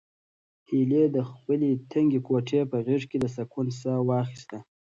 هیلې د خپلې تنګې کوټې په غېږ کې د سکون ساه واخیسته.